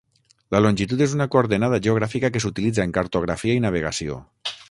La longitud és una coordenada geogràfica que s'utilitza en cartografia i navegació.